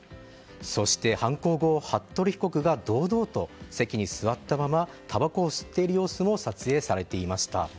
そして、犯行後服部被告が堂々と席に座ったままたばこを吸っている様子も撮影されていました。